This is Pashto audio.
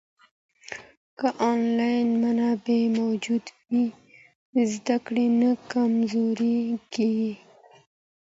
که انلاین منابع موجود وي، زده کړه نه کمزورې کېږي.